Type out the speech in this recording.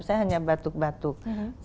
saya hanya batuk batuk